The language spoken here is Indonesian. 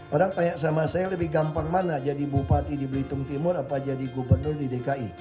orang tanya sama saya lebih gampang mana jadi bupati di belitung timur atau jadi gubernur di dki